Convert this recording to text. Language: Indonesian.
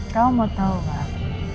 kau mau tau mbak